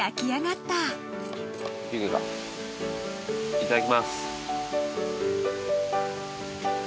いただきます。